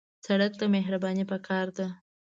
سړک ته مهرباني پکار ده.